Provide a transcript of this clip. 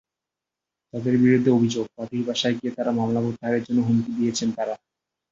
তাঁদের বিরুদ্ধে অভিযোগ, বাদীর বাসায় গিয়ে মামলা প্রত্যাহারের জন্য হুমকি দিয়েছেন তাঁরা।